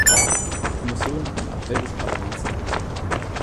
Die Kommission hat den Appell des Parlaments gehört.